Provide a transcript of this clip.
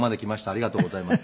ありがとうございます。